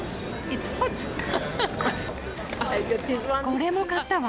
これも買ったわ。